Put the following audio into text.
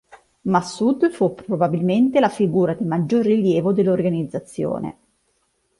Massoud fu probabilmente la figura di maggior rilievo dell'organizzazione.